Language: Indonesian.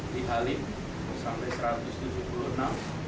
di halim sampai satu ratus tujuh puluh enam